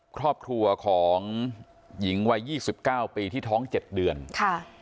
ครอบครัวของหญิงวัยยี่สิบเก้าปีที่ท้องเจ็ดเดือนค่ะ